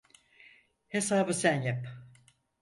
Hesabı sen yap.